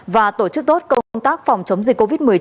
và tổ chức tốt công tác phòng chống dịch covid một mươi chín